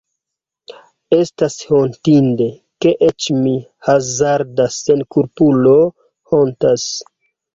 Estas hontinde, ke eĉ mi, hazarda senkulpulo, hontas.